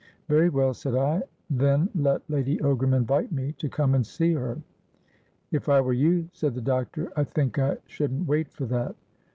'Very well,' said I, 'than let Lady Ogram invite me to come and see her.''If I were you,' said the doctor, 'I think I shouldn't wait for that.''